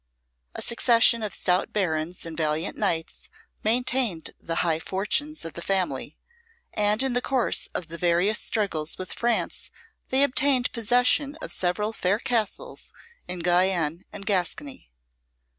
A succession of stout barons and valiant knights maintained the high fortunes of the family; and in the course of the various struggles with France they obtained possession of several fair castles in Guienne and Gascony.